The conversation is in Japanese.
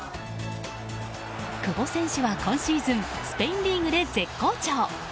久保選手は今シーズンスペインリーグで絶好調！